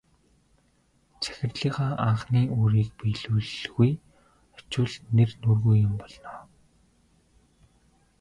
Захирлынхаа анхны үүрийг биелүүлэлгүй очвол нэр нүүргүй юм болно.